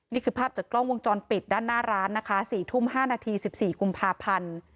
นี่คือภาพจากกล้องวงจรปิดด้านหน้าร้านนะคะ๔ทุ่ม๕นาที๑๔กุมภาพันธ์